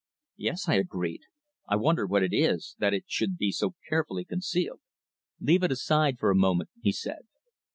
"Yes," I agreed. "I wonder what it is, that it should be so carefully concealed?" "Leave it aside for a moment," he said.